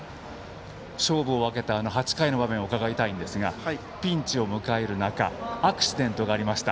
勝負を分けた８回の場面を伺いたいんですがピンチを迎える中アクシデントがありました。